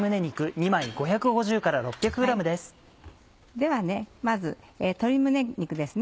ではまず鶏胸肉ですね。